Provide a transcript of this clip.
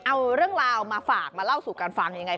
เอาเรื่องราวมาฝากมาเล่าสู่กันฟังยังไง